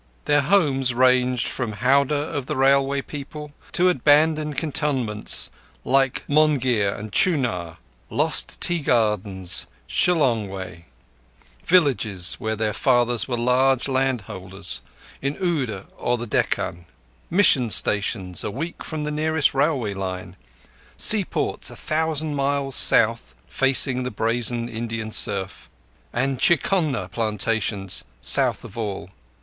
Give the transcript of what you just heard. Their homes ranged from Howrah of the railway people to abandoned cantonments like Monghyr and Chunar; lost tea gardens Shillong way; villages where their fathers were large landholders in Oudh or the Deccan; Mission stations a week from the nearest railway line; seaports a thousand miles south, facing the brazen Indian surf; and cinchona plantations south of all.